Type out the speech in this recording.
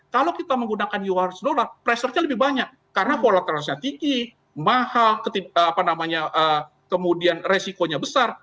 kalau kita menggunakan us dollar pressure nya lebih banyak karena follow up transaksinya tinggi mahal kemudian resikonya besar